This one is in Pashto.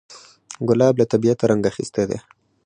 ګلاب له طبیعته رنګ اخیستی دی.